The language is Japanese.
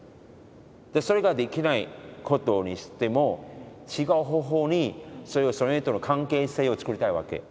それができないことにしても違う方法にそれはその人との関係性を作りたいわけ。